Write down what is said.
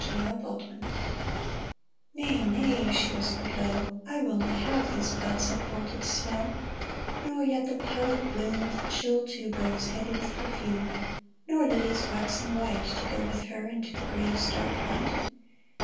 HER FLOWERS " Nay, nay," she whispered low, " I will not have these buds of folded snow, Nor yet the pallid bloom Of the chill tuberose, heavy with perfume. Nor lilies waxen white, To go with her into the grave's dark night.